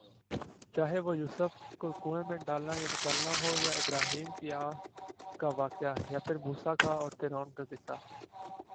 چاہے وہ یوسف ؑ کو کنویں میں ڈالنا یا نکالنا ہوا یا ابراھیمؑ کی آگ کا واقعہ یا پھر موسیؑ کا اور فرعون کا قصہ